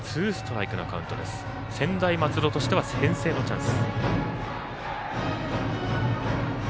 専大松戸としては先制のチャンス。